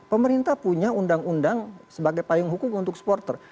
pemerintah punya undang undang sebagai payung hukum untuk supporter